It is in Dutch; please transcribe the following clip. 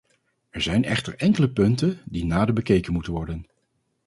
Er zijn echter enkele punten die nader bekeken moeten worden.